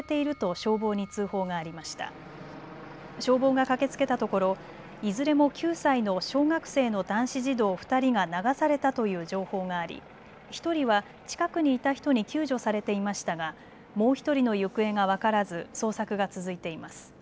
消防が駆けつけたところいずれも９歳の小学生の男子児童２人が流されたという情報があり１人は近くにいた人に救助されていましたがもう１人の行方が分からず捜索が続いています。